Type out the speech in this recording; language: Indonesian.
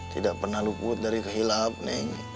tidak pernah luput dari kehilap neng